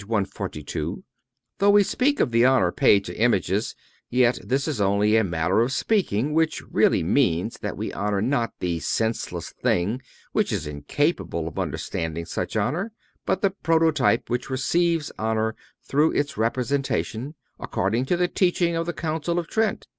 142: "Though we speak of the honor paid to images, yet this is only a manner of speaking, which really means that we honor not the senseless thing which is incapable of understanding such honor, but the prototype, which receives honor through its representation, according to the teaching of the Council of Trent.